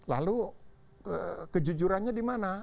lalu kejujurannya di mana